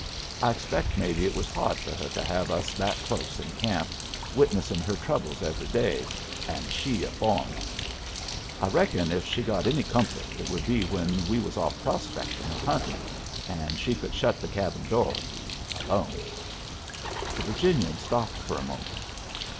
I expect maybe it was hard for her to have us that close in camp, witnessin' her troubles every day, and she a foreigner. I reckon if she got any comfort, it would be when we was off prospectin' or huntin', and she could shut the cabin door and be alone." The Virginian stopped for a moment.